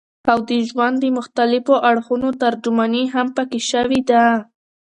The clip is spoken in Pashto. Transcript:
او د ژوند د مختلفو اړخونو ترجماني هم پکښې شوې ده